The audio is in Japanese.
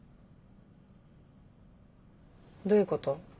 どういうこと？